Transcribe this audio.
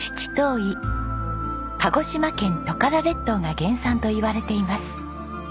鹿児島県トカラ列島が原産といわれています。